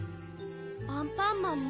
アンパンマンも？